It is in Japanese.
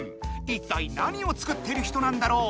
いったい何を作ってる人なんだろう？